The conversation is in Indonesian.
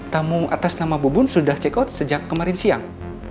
tamu atas nama bubun sudah check out sejak kemarin siang